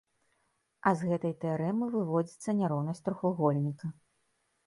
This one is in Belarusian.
А з гэтай тэарэмы выводзіцца няроўнасць трохвугольніка.